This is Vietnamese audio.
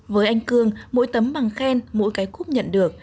với anh cương mỗi tấm bằng khen mỗi cái cúp nhận được